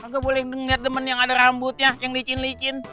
gak boleh liat temen yang ada rambutnya yang licin licin